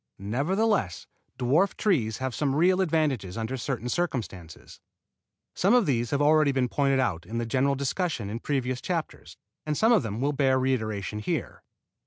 Nevertheless dwarf trees have some real advantages under certain circumstances. Some of these have already been pointed out in the general discussion in previous chapters, and some of them will bear reiteration here.